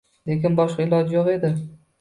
Lekin boshqa iloj yo‘q edi.